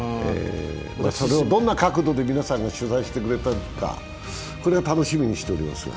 それをどんな角度で皆さんが取材してくれたか、これ楽しみにしておりますが。